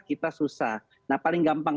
kita susah nah paling gampang